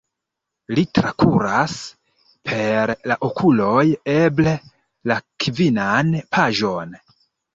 Li trakuras per la okuloj eble la kvinan paĝon.